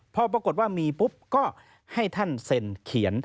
พอปรากฏว่ามีปุ๊บก็ให้ท่านเซ็นเขียน